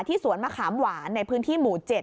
สวนมะขามหวานในพื้นที่หมู่๗